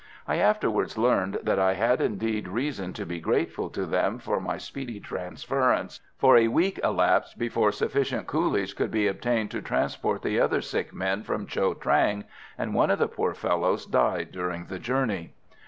I afterwards learned that I had indeed reason to be grateful to them for my speedy transference, for a week elapsed before sufficient coolies could be obtained to transport the other sick men from Cho Trang, and one of the poor fellows died during the journey.